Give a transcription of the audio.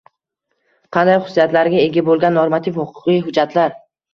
Qanday xususiyatlarga ega bo‘lgan normativ-huquqiy hujjatlar